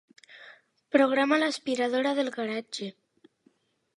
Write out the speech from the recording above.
Programa l'aspiradora del garatge.